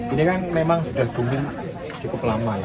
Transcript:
ini kan memang sudah booming cukup lama ya